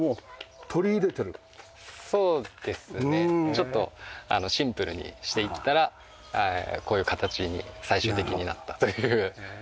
ちょっとシンプルにしていったらこういう形に最終的になったという。